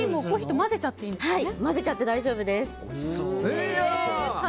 混ぜちゃって大丈夫です。